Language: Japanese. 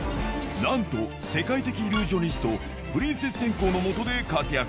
なんと、世界的イリュージョニスト、プリンセス天功の下で活躍。